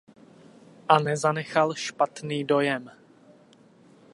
A nezanechal špatný dojem.